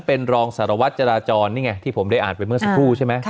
เป็นรองสารวัตรจราจรนี่ไงที่ผมได้อ่านไปเมื่อสักครู่ใช่ไหม